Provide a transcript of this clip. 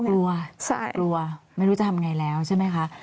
กลัวไม่รู้จะทำยังไงแล้วใช่ไหมคะ